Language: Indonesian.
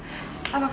yuk masuk yuk